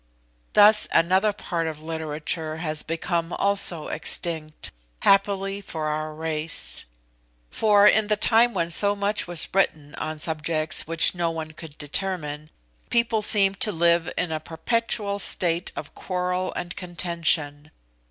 Thus another part of literature has become also extinct, happily for our race; for in the time when so much was written on subjects which no one could determine, people seemed to live in a perpetual state of quarrel and contention.